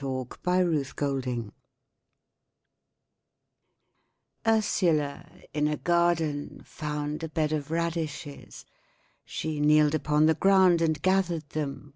urlappend=%3Bseq=l 13 Ursula, in a garden, found A bed of radishes. She kneeled upon the ground And gathered them.